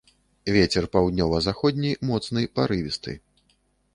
Вецер паўднёва-заходні моцны парывісты.